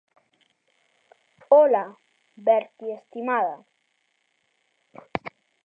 Hola, Bertie, estimada.